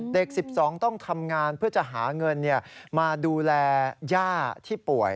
เด็ก๑๒ต้องทำงานเพื่อจะหาเงินมาดูแลย่าที่ป่วย